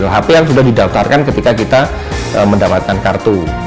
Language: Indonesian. hp yang sudah didaftarkan ketika kita mendapatkan kartu